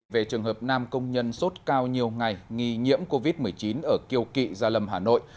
về trường hợp nam công nhân sốt cao nhiều ngày nghi nhiễm covid một mươi chín ở kiều kỵ gia lâm hà nội